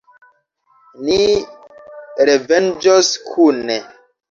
Ni revenĝos kune.